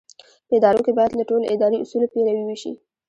په ادارو کې باید له ټولو اداري اصولو پیروي وشي.